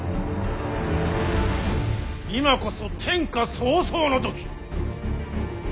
今こそ天下草創の時。